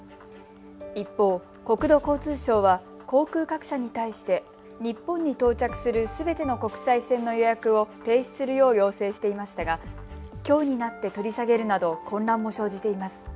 一方、国土交通省は航空各社に対して日本に到着するすべての国際線の予約を停止するよう要請していましたがきょうになって取り下げるなど混乱も生じています。